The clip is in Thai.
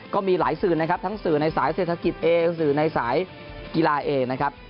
ก็มีหลายสื่อนะครับทั้งสื่อในสายเศรษฐกิจเองสื่อในสายกีฬาเองนะครับ